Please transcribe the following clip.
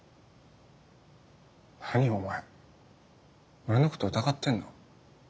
何お前俺のこと疑ってんの？